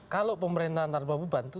kalau pemerintahan tanpa beban